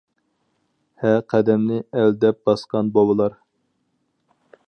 ھە قەدەمنى ئەل دەپ باسقان بوۋىلار.